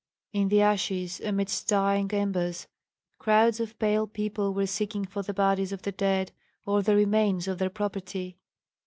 In the ashes amidst dying embers crowds of pale people were seeking for the bodies of the dead or the remains of their property.